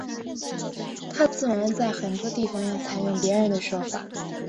他自然在很多地方要采用别人的说法。